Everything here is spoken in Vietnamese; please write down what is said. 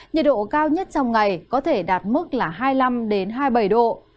nhiệt độ cao nhất trong ngày có thể đạt mức là hai mươi năm hai mươi bảy độ